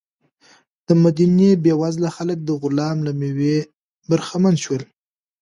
د مدینې بېوزله خلک د غلام له مېوې برخمن شول.